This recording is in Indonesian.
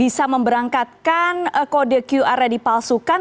bisa memberangkatkan kode qr nya dipalsukan